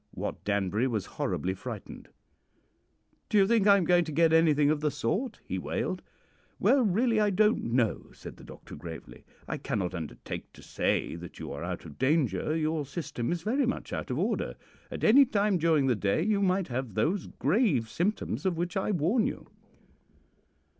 Wat Danbury was horribly frightened. "'Do you think I am going to get anything of the sort?' he wailed. "'Well, really, I don't know,' said the doctor gravely. 'I cannot undertake to say that you are out of danger. Your system is very much out of order. At any time during the day you might have those grave symptoms of which I warn you.'